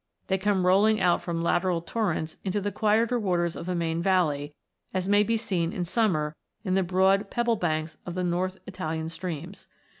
They come rolling out from lateral torrents into the quieter waters of a main valley, as may be seen in summer in the broad pebble banks of the north Italian streams.